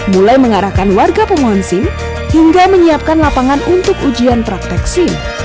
mulai mengarahkan warga pemohon sim hingga menyiapkan lapangan untuk ujian prakteksi